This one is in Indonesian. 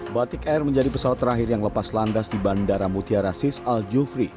batik air menjadi pesawat terakhir yang lepas landas di bandara mutiara sis al jufri